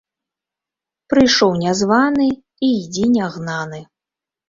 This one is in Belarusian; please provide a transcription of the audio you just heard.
Прыйшоў нязваны і йдзі нягнаны